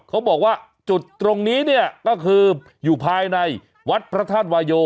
เขาบอกว่าจุดตรงนี้เนี่ยก็คืออยู่ภายในวัดพระธาตุวายโย